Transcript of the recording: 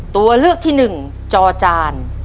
ตัวเลือกที่๑จอจาน